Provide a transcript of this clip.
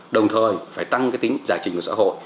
đồng thời phải tăng cái tính giải trình của xã hội